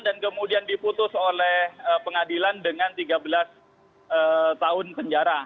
dan kemudian diputus oleh pengadilan dengan tiga belas tahun penjara